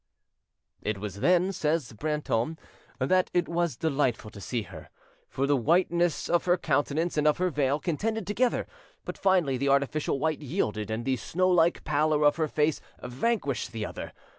"It was then," says Brantorne, "that it was delightful to see her; for the whiteness of her countenance and of her veil contended together; but finally the artificial white yielded, and the snow like pallor of her face vanquished the other.